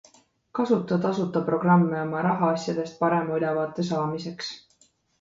Kasuta tasuta programme oma rahaasjadest parema ülevaate saamiseks.